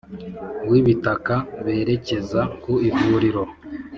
w’ibitaka berekeza ku ivuriro